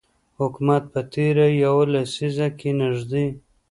حکومت په تیره یوه لسیزه کې نږدې